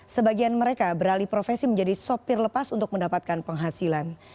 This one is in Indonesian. sebagian mereka beralih profesi menjadi sopir lepas untuk mendapatkan penghasilan